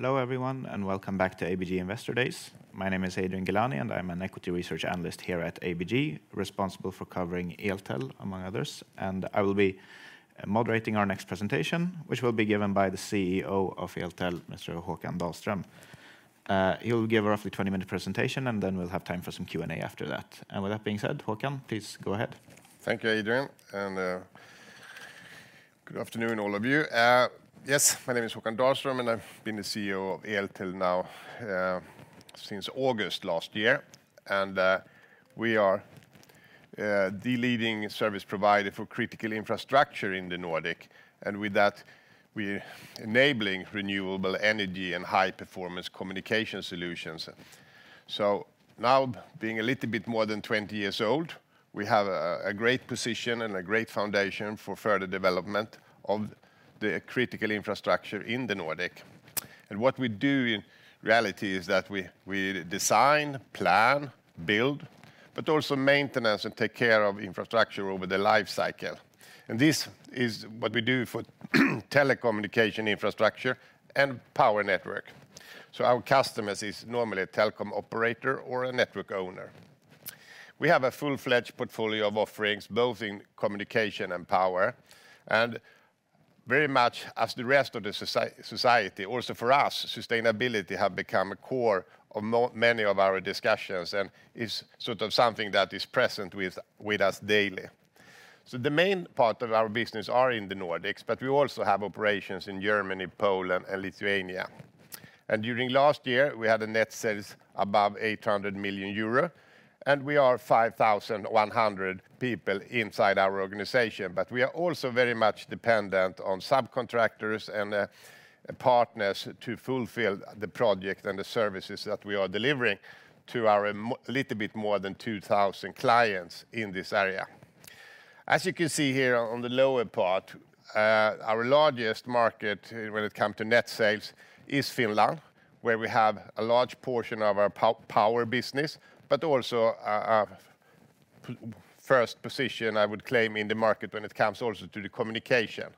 Hello everyone, and welcome back to ABG Investor Days. My name is Adrian Giliani, and I'm an equity research analyst here at ABG, responsible for covering Eltel, among others. I will be moderating our next presentation, which will be given by the CEO of Eltel, Mr. Håkan Dahlström. He will give a roughly 20minute presentation and then we'll have time for some Q&A after that. With that being said, Håkan, please go ahead. Thank you Adrian, and good afternoon all of you. Yes, my name is Håkan Dahlström, and I've been the CEO of Eltel now since August last year. We are the leading service provider for critical infrastructure in the Nordic, and with that, we're enabling renewable energy and high-performance communication solutions. Now, being a little bit more than 20 years old, we have a great position and a great foundation for further development of the critical infrastructure in the Nordic. What we do in reality is that we design, plan, build, but also maintenance and take care of infrastructure over the life cycle. This is what we do for telecommunication infrastructure and power network. Our customers is normally a telecom operator or a network owner. We have a full-fledged portfolio of offerings, both in communication and power, and very much as the rest of the society, also for us, sustainability have become a core of many of our discussions and is sort of something that is present with us daily. So the main part of our business are in the Nordics, but we also have operations in Germany, Poland, and Lithuania. And during last year, we had a net sales above 800 million euro, and we are 5100 people inside our organization. But we are also very much dependent on subcontractors and partners to fulfill the project and the services that we are delivering to our a little bit more than 2000 clients in this area. As you can see here on the lower part, our largest market when it come to net sales is Finland, where we have a large portion of our power business, but also a first position, I would claim in the market when it comes also to the communication.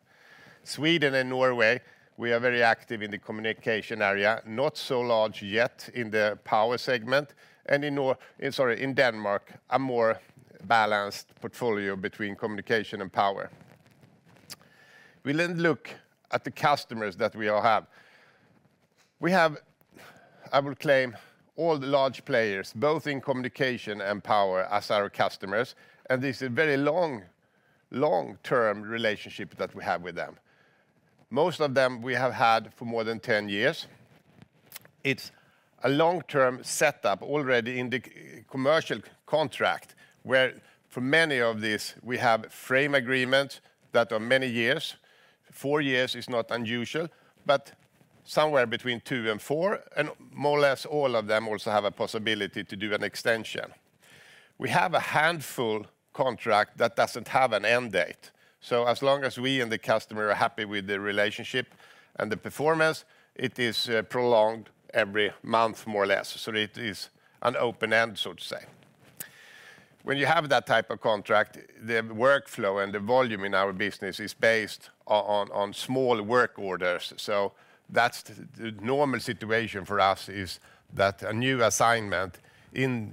Sweden and Norway, we are very active in the communication area, not so large yet in the power segment, and in Denmark, a more balanced portfolio between communication and power. We then look at the customers that we all have. We have, I would claim, all the large players, both in communication and power, as our customers, and this is a very long, long-term relationship that we have with them. Most of them we have had for more than 10 years. It's a long-term setup already in the commercial contract, where for many of these, we have frame agreements that are many years. 4 years is not unusual, but somewhere between 2 and 4, and more or less all of them also have a possibility to do an extension. We have a handful contract that doesn't have an end date, so as long as we and the customer are happy with the relationship and the performance, it is prolonged every month, more or less, so it is an open end, so to say. When you have that type of contract, the workflow and the volume in our business is based on small work orders, so that's the normal situation for us, is that a new assignment in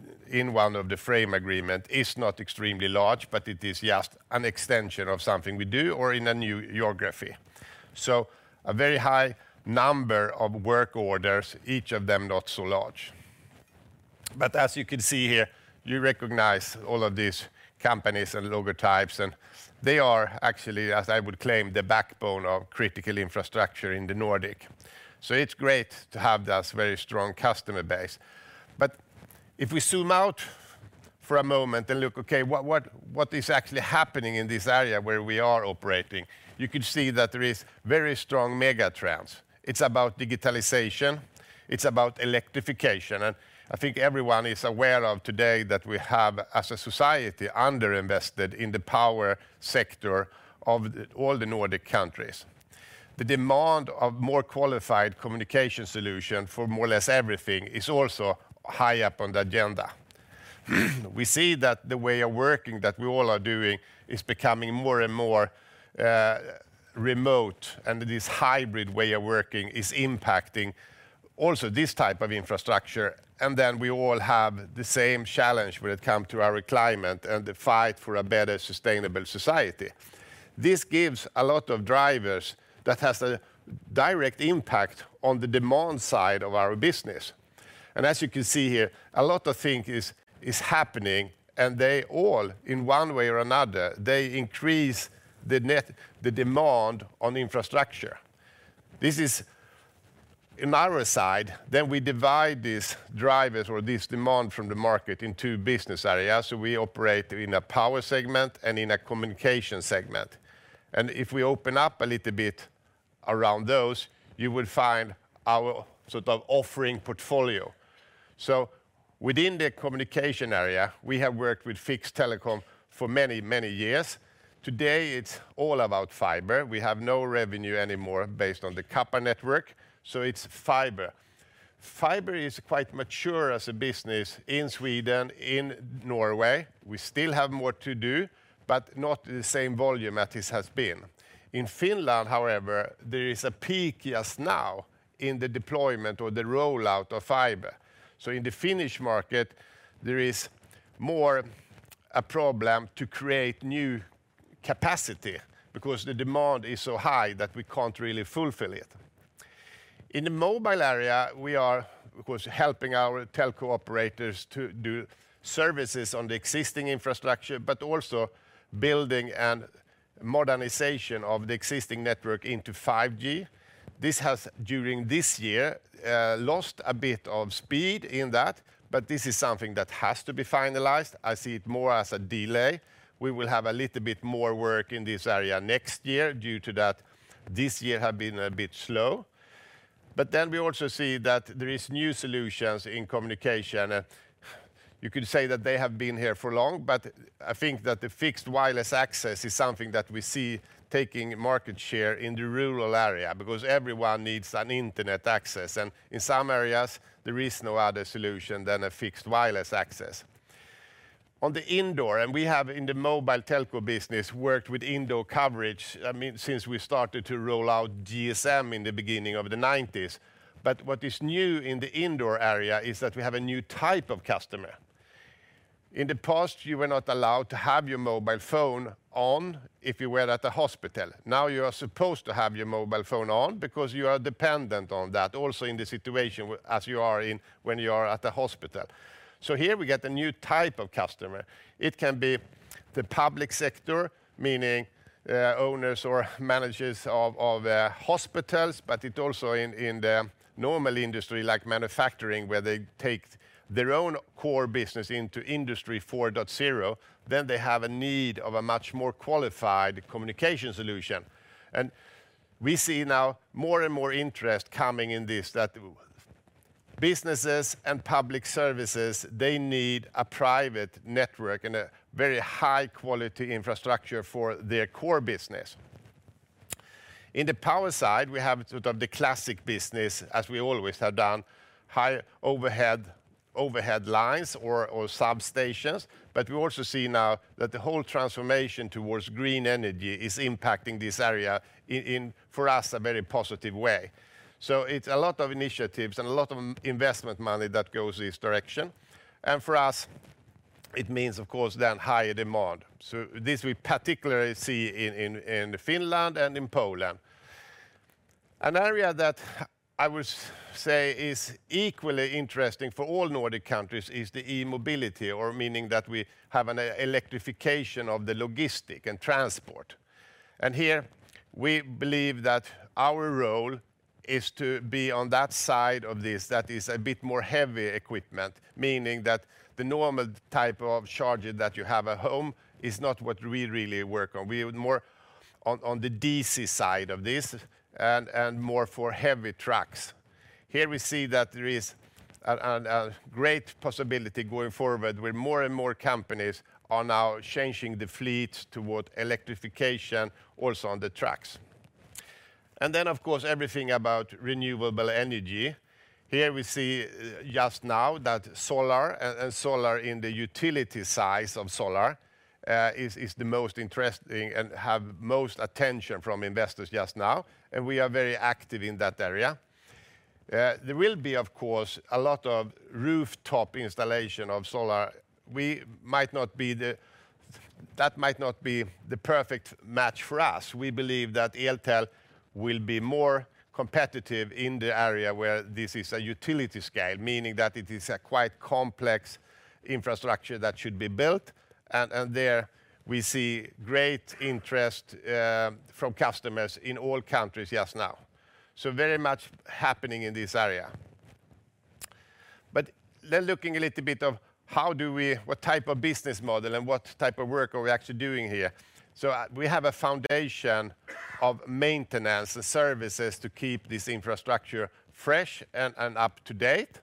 one of the frame agreement is not extremely large, but it is just an extension of something we do or in a new geography. So a very high number of work orders, each of them not so large. But as you can see here, you recognize all of these companies and logotypes, and they are actually, as I would claim, the backbone of critical infrastructure in the Nordics. So it's great to have this very strong customer base. But if we zoom out for a moment and look, okay, what is actually happening in this area where we are operating? You can see that there is very strong mega trends. It's about digitalization, it's about electrification, and I think everyone is aware today that we have, as a society, underinvested in the power sector of all the Nordic countries. The demand of more qualified communication solution for more or less everything is also high up on the agenda. We see that the way of working that we all are doing is becoming more and more remote, and this hybrid way of working is impacting also this type of infrastructure. And then we all have the same challenge when it come to our climate and the fight for a better, sustainable society. This gives a lot of drivers that has a direct impact on the demand side of our business. As you can see here, a lot of things is happening, and they all, in one way or another, increase the demand on infrastructure. On our side, we divide these drivers or this demand from the market into 2 business areas, so we operate in a power segment and in a communication segment. If we open up a little bit around those, you will find our sort of offering portfolio. So within the communication area, we have worked with fixed telecom for many, many years. Today it's all about fiber. We have no revenue anymore based on the copper network, so it's fiber. Fiber is quite mature as a business in Sweden, in Norway. We still have more to do, but not the same volume as it has been. In Finland, however there is a peak just now in the deployment or the rollout of fiber. So in the Finnish market, there is more a problem to create new capacity because the demand is so high that we can't really fulfill it. In the mobile area, we are, of course, helping our telco operators to do services on the existing infrastructure, but also building and modernization of the existing network into 5G. This has, during this year, lost a bit of speed in that, but this is something that has to be finalized. I see it more as a delay. We will have a little bit more work in this area next year due to that this year have been a bit slow. But then we also see that there is new solutions in communication, and you could say that they have been here for long, but I think that the fixed wireless access is something that we see taking market share in the rural area, because everyone needs an internet access, and in some areas, there is no other solution than a fixed wireless access. On the indoor, and we have in the mobile telco business, worked with indoor coverage, I mean, since we started to roll out GSM in the beginning of the 1990s. But what is new in the indoor area is that we have a new type of customer. In the past, you were not allowed to have your mobile phone on if you were at a hospital. Now, you are supposed to have your mobile phone on because you are dependent on that, also in the situation as you are in when you are at the hospital. So here we get a new type of customer. It can be the public sector, meaning owners or managers of hospitals, but it also in the normal industry like manufacturing, where they take their own core business into Industry 4.0 then they have a need of a much more qualified communication solution. And we see now more and more interest coming in this, that businesses and public services, they need a private network and a very high-quality infrastructure for their core business. In the power side, we have sort of the classic business, as we always have done, high overhead, overhead lines or substations, but we also see now that the whole transformation towards green energy is impacting this area in, for us, a very positive way. So it's a lot of initiatives and a lot of investment money that goes this direction, and for us, it means, of course, then higher demand. So this we particularly see in Finland and in Poland. An area that I would say is equally interesting for all Nordic countries is the e-mobility, or meaning that we have an electrification of the logistics and transport. And here, we believe that our role is to be on that side of this, that is a bit more heavy equipment, meaning that the normal type of charger that you have at home is not what we really work on. We are more on the DC side of this and more for heavy trucks. Here we see that there is a great possibility going forward, where more and more companies are now changing the fleet toward electrification also on the trucks. And then, of course, everything about renewable energy. Here we see just now that solar and solar in the utility size of solar is the most interesting and have most attention from investors just now, and we are very active in that area. There will be, of course, a lot of rooftop installation of solar. We might not be the... That might not be the perfect match for us. We believe that Eltel will be more competitive in the area where this is a utility scale, meaning that it is a quite complex infrastructure that should be built, and, and there we see great interest from customers in all countries just now. So very much happening in this area. But then looking a little bit of how do we—what type of business model and what type of work are we actually doing here? So, we have a foundation of maintenance and services to keep this infrastructure fresh and, and up-to-date.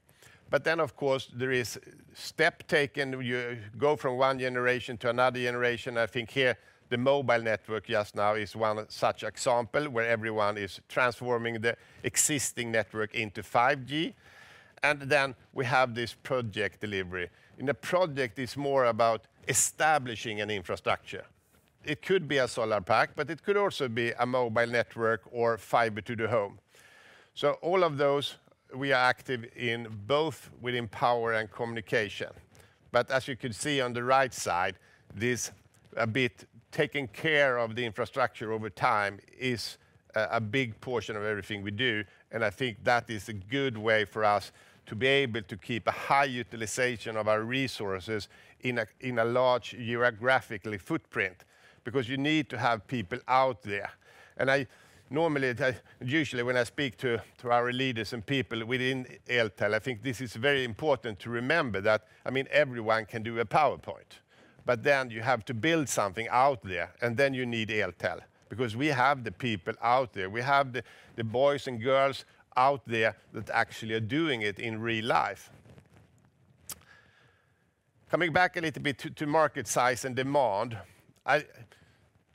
But then, of course, there is step taken, you go from one generation to another generation. I think here, the mobile network just now is one such example, where everyone is transforming the existing network into 5G. And then we have this project delivery. In a project, it's more about establishing an infrastructure. It could be a solar park, but it could also be a mobile network or fiber to the home. So all of those, we are active in both within power and communication. But as you can see on the right side, this, a bit, taking care of the infrastructure over time is a big portion of everything we do, and I think that is a good way for us to be able to keep a high utilization of our resources in a large geographic footprint, because you need to have people out there. I normally, usually, when I speak to our leaders and people within Eltel, I think this is very important to remember that, I mean everyone can do a PowerPoint, but then you have to build something out there, and then you need Eltel, because we have the people out there. We have the boys and girls out there that actually are doing it in real life... Coming back a little bit to market size and demand, I'm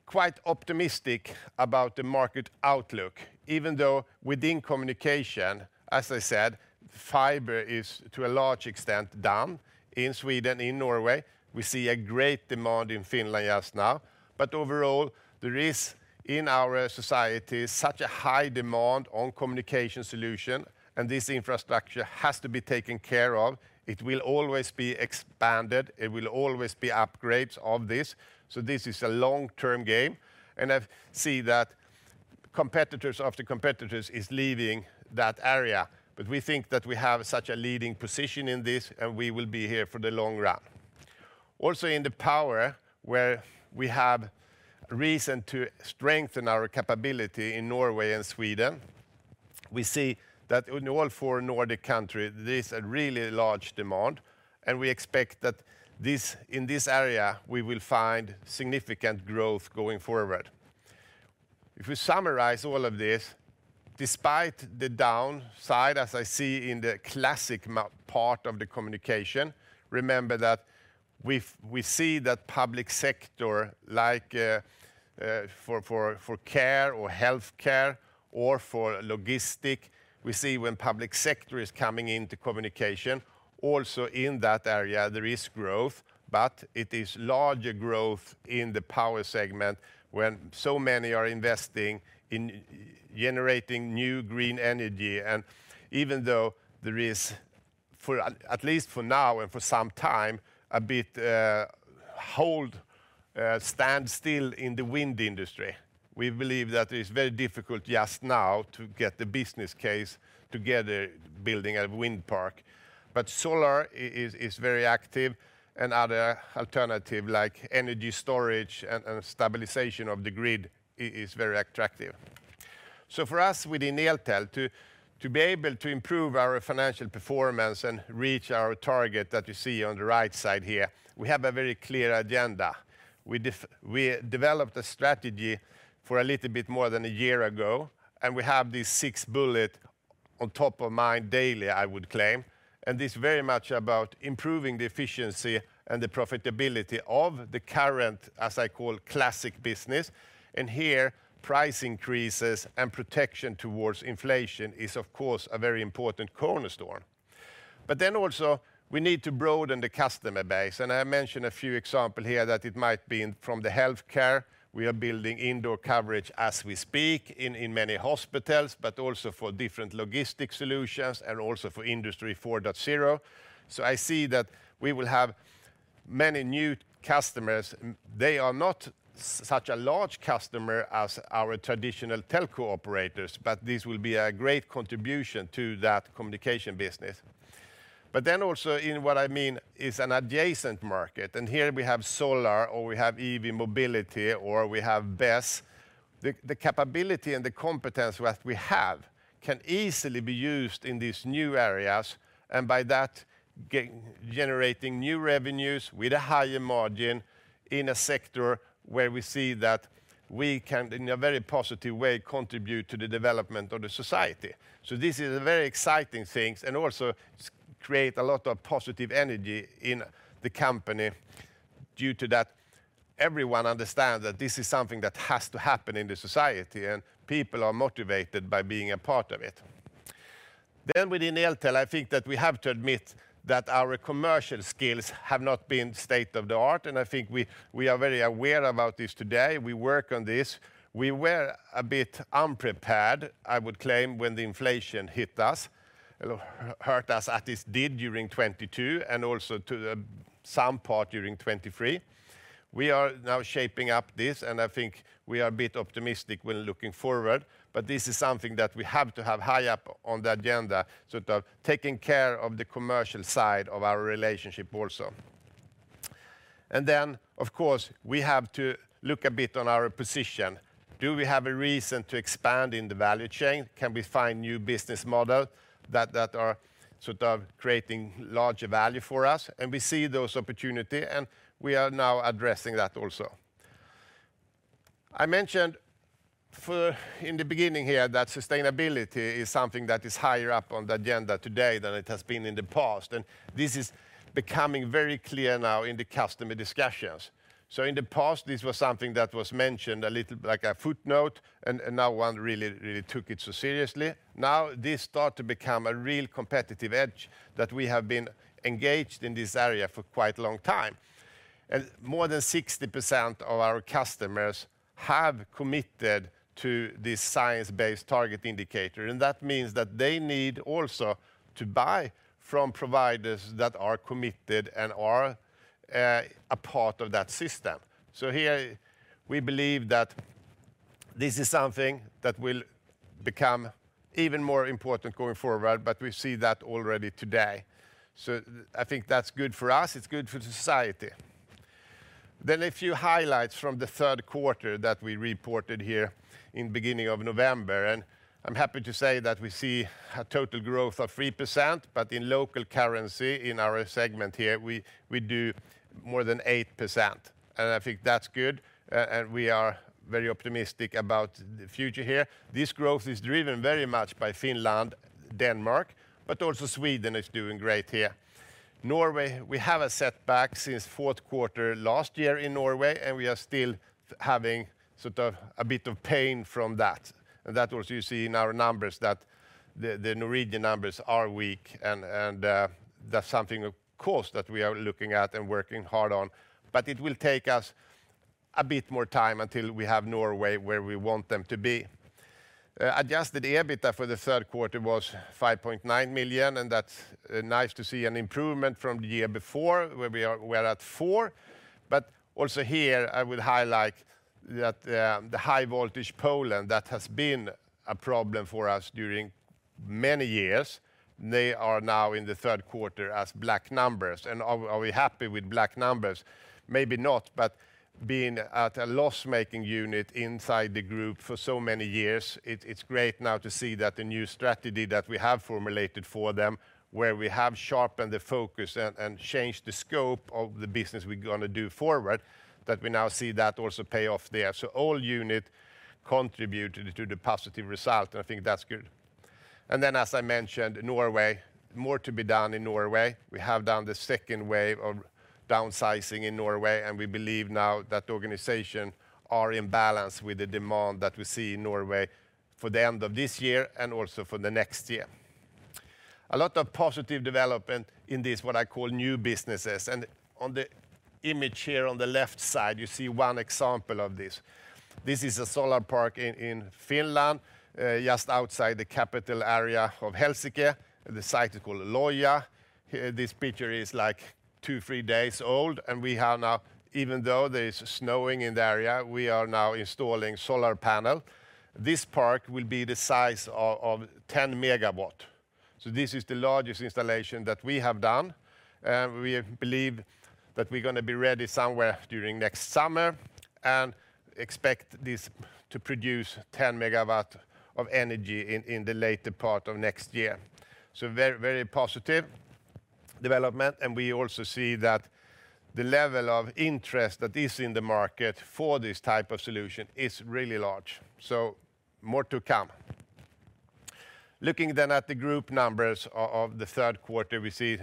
quite optimistic about the market outlook, even though within communication, as I said, fiber is, to a large extent, down in Sweden, in Norway. We see a great demand in Finland just now. But overall, there is, in our society, such a high demand on communication solution, and this infrastructure has to be taken care of. It will always be expanded, it will always be upgrades of this, so this is a long-term game, and I've seen that competitors after competitors are leaving that area. But we think that we have such a leading position in this, and we will be here for the long run. Also, in the power, where we have reason to strengthen our capability in Norway and Sweden, we see that in all four Nordic countries, there's a really large demand, and we expect that this in this area, we will find significant growth going forward. If we summarize all of this, despite the downside, as I see in the classic market part of the communication, remember that we see that public sector, like, for care or healthcare or for logistics, we see when public sector is coming into communication, also in that area, there is growth, but it is larger growth in the power segment, when so many are investing in generating new green energy. And even though there is, for at least for now and for some time, a bit of a standstill in the wind industry, we believe that it's very difficult just now to get the business case together, building a wind park. But solar is very active, and other alternative, like energy storage and stabilization of the grid, is very attractive. So for us within Eltel, to be able to improve our financial performance and reach our target that you see on the right side here, we have a very clear agenda. We developed a strategy for a little bit more than a year ago, and we have these six bullet on top of mind daily, I would claim. And this very much about improving the efficiency and the profitability of the current, as I call, classic business, and here, price increases and protection towards inflation is, of course, a very important cornerstone. But then also, we need to broaden the customer base, and I mentioned a few example here that it might be in from the healthcare. We are building indoor coverage as we speak in many hospitals, but also for different logistic solutions and also for Industry 4.0. So I see that we will have many new customers. They are not such a large customer as our traditional telco operators, but this will be a great contribution to that communication business. But then also in what I mean is an adjacent market, and here we have solar, or we have EV mobility, or we have BESS. The capability and the competence that we have can easily be used in these new areas, and by that, generating new revenues with a higher margin in a sector where we see that we can, in a very positive way, contribute to the development of the society. So this is a very exciting things, and also create a lot of positive energy in the company. Due to that, everyone understands that this is something that has to happen in the society and people are motivated by being a part of it. Then within Eltel, I think that we have to admit that our commercial skills have not been state-of-the-art, and I think we are very aware about this today. We work on this. We were a bit unprepared I would claim, when the inflation hit us, hurt us, as it did during 2022 and also to some part during 2023. We are now shaping up this, and I think we are a bit optimistic when looking forward, but this is something that we have to have high up on the agenda, sort of taking care of the commercial side of our relationship also. And then, of course, we have to look a bit on our position. Do we have a reason to expand in the value chain? Can we find new business model that are sort of creating larger value for us? And we see those opportunity, and we are now addressing that also. I mentioned in the beginning here, that sustainability is something that is higher up on the agenda today than it has been in the past, and this is becoming very clear now in the customer discussions. So in the past, this was something that was mentioned a little like a footnote, and no one really took it so seriously. Now, this start to become a real competitive edge that we have been engaged in this area for quite a long time. More than 60% of our customers have committed to this Science-based target indicator and that means that they need also to buy from providers that are committed and are a part of that system. Here, we believe that this is something that will become even more important going forward, but we see that already today. I think that's good for us; it's good for society. Then a few highlights from the Q3 that we reported here in beginning of November, and I'm happy to say that we see a total growth of 3%, but in local currency, in our segment here, we do more than 8%, and I think that's good, and we are very optimistic about the future here. This growth is driven very much by Finland, Denmark, but also Sweden is doing great here. Norway, we have a setback since Q4 last year in Norway, and we are still having sort of a bit of pain from that. And that also you see in our numbers, that the, the Norwegian numbers are weak, and, and, that's something, of course, that we are looking at and working hard on. But it will take us a bit more time until we have Norway where we want them to be. Adjusted EBITDA for the Q3 was 5.9 million, and that's nice to see an improvement from the year before, where we are—we are at 4 million. But also here, I will highlight that, the high voltage Poland, that has been a problem for us during many years, they are now in the Q3 as black numbers. And are we happy with black numbers? Maybe not, but being at a loss-making unit inside the group for so many years, it, it's great now to see that the new strategy that we have formulated for them, where we have sharpened the focus and, and changed the scope of the business we're gonna do forward, that we now see that also pay off there. So all unit contributed to the positive result, and I think that's good. And then, as I mentioned, Norway, more to be done in Norway. We have done the second wave of downsizing in Norway, and we believe now that the organization are in balance with the demand that we see in Norway for the end of this year and also for the next year. A lot of positive development in these, what I call new businesses, and on the image here on the left side, you see one example of this. This is a solar park in Finland, just outside the capital area of Helsinki. The site is called Lohja. Here, this picture is, like, 2 to 3 days old, and we have now even though there is snowing in the area, we are now installing solar panel. This park will be the size of 10 MW. So this is the largest installation that we have done, and we believe that we're gonna be ready somewhere during next summer and expect this to produce 10 MW of energy in the later part of next year. So very, very positive development, and we also see that the level of interest that is in the market for this type of solution is really large. So more to come. Looking then at the group numbers of the Q3, we see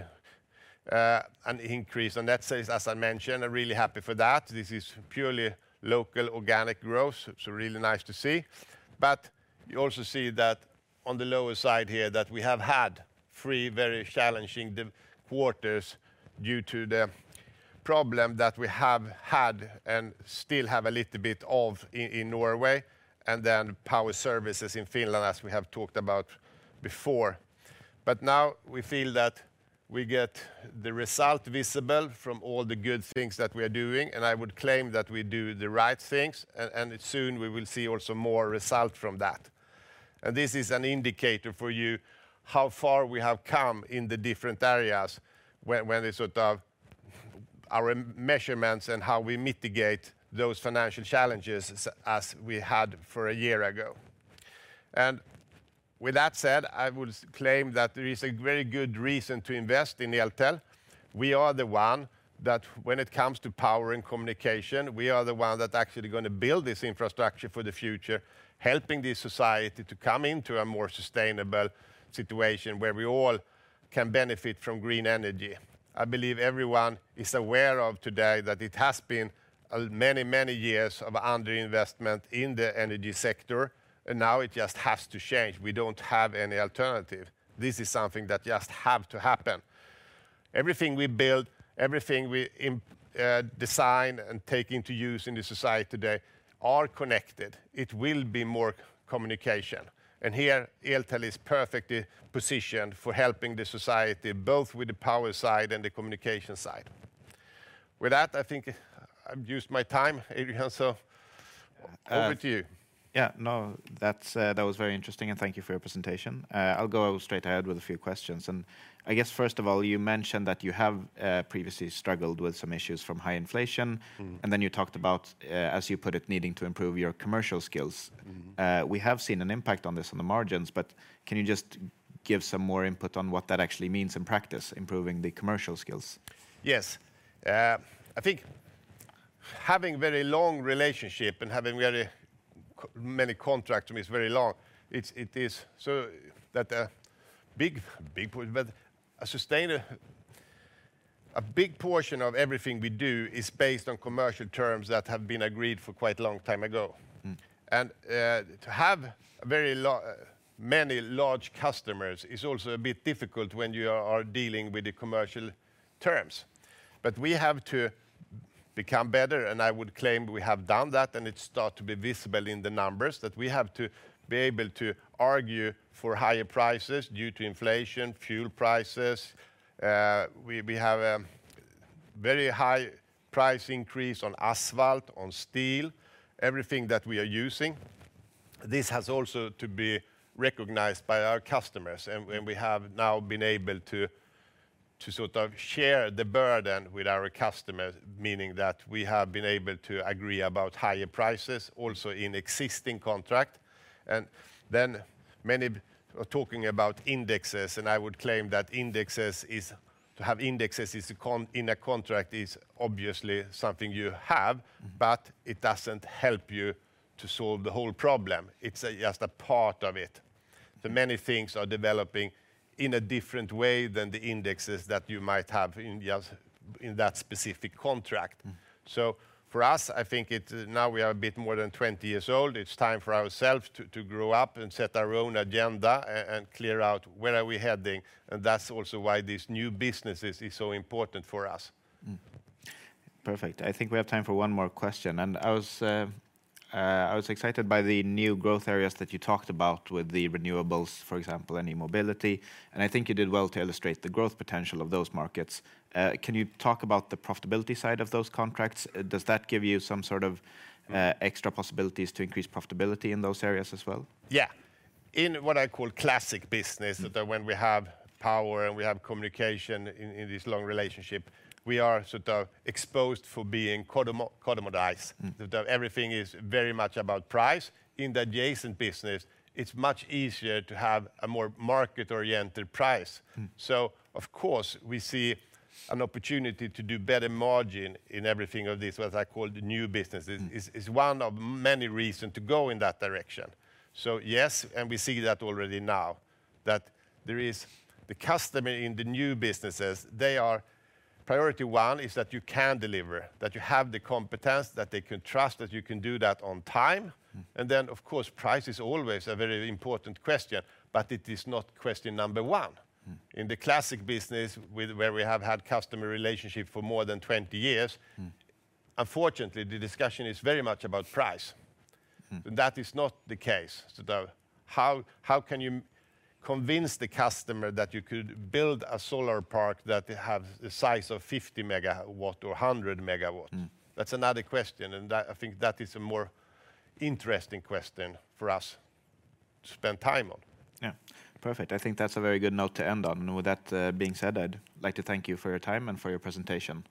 an increase on net sales, as I mentioned. I'm really happy for that. This is purely local organic growth, so really nice to see. But you also see that on the lower side here, that we have had three very challenging quarters due to the problem that we have had and still have a little bit of in Norway, and then power services in Finland, as we have talked about before. But now we feel that we get the result visible from all the good things that we are doing, and I would claim that we do the right things, and soon we will see also more result from that. And this is an indicator for you, how far we have come in the different areas when they sort of our measurements and how we mitigate those financial challenges as we had for a year ago. With that said, I will claim that there is a very good reason to invest in Eltel. We are the one that when it comes to power and communication, we are the one that actually gonna build this infrastructure for the future, helping the society to come into a more sustainable situation where we all can benefit from green energy. I believe everyone is aware of today that it has been a many, many years of underinvestment in the energy sector, and now it just has to change. We don't have any alternative. This is something that just have to happen. Everything we build, everything we, design and take into use in the society today are connected. It will be more communication, and here, Eltel is perfectly positioned for helping the society, both with the power side and the communication side. With that, I think I've used my time, Adrian, so over to you. Yeah, no, that was very interesting, and thank you for your presentation. I'll go straight ahead with a few questions. I guess, first of all, you mentioned that you have previously struggled with some issues from high inflation. Mm-hmm. Then you talked about, as you put it, needing to improve your commercial skills. Mm-hmm. We have seen an impact on this on the margins, but can you just give some more input on what that actually means in practice, improving the commercial skills? Yes. I think having a very long relationship and having very many contracts is very long. It is so that a big, big point, but a big portion of everything we do is based on commercial terms that have been agreed for quite a long time ago. Mm. And to have a very many large customers is also a bit difficult when you are dealing with the commercial terms. But we have to become better and I would claim we have done that, and it start to be visible in the numbers, that we have to be able to argue for higher prices due to inflation, fuel prices. We have a very high price increase on asphalt, on steel, everything that we are using. This has also to be recognized by our customers, and we have now been able to sort of share the burden with our customers, meaning that we have been able to agree about higher prices also in existing contract. Then many are talking about indexes, and I would claim that indexes is, to have indexes is a con in a contract is obviously something you have, but it doesn't help you to solve the whole problem. It's just a part of it. The many things are developing in a different way than the indexes that you might have in just, in that specific contract. Mm. So for us, I think it's now we are a bit more than 20 years old. It's time for ourselves to grow up and set our own agenda and clear out where we are heading, and that's also why these new businesses is so important for us. Mm. Perfect. I think we have time for one more question, and I was excited by the new growth areas that you talked about with the renewables, for example, and e-mobility, and I think you did well to illustrate the growth potential of those markets. Can you talk about the profitability side of those contracts? Does that give you some sort of extra possibilities to increase profitability in those areas as well? Yeah. In what I call classic business- Mm... that when we have power and we have communication in this long relationship, we are sort of exposed for being commoditized. Mm. That everything is very much about price. In the adjacent business, it's much easier to have a more market-oriented price. Mm. Of course, we see an opportunity to do better margin in everything of this, what I call the new business. Mm. is one of many reasons to go in that direction. So yes, and we see that already now, that there is the customer in the new businesses, they are... Priority one is that you can deliver, that you have the competence, that they can trust, that you can do that on time. Mm. And then, of course, price is always a very important question, but it is not question number one. Mm. In the classic business where we have had customer relationship for more than 20 years- Mm... unfortunately, the discussion is very much about price. Mm. That is not the case. So how can you convince the customer that you could build a solar park, that it have the size of 50 MW or 100 MW? Mm. That's another question and that, I think that is a more interesting question for us to spend time on. Yeah, Perfect. I think that's a very good note to end on. And with that, being said, I'd like to thank you for your time and for your presentation.